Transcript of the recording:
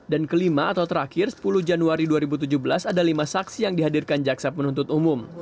dan kelima atau terakhir sepuluh januari dua ribu tujuh belas ada lima saksi yang dihadirkan jaksa penuntut umum